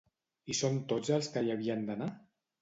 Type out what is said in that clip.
Hi són tots els que hi havien d'anar?